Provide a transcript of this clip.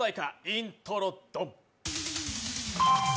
イントロ・ドン。